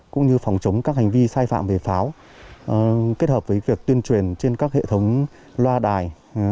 cũng như phòng chống các hành vi sai phạm về pháo kết hợp với việc tuyên truyền trên các hệ thống loa đài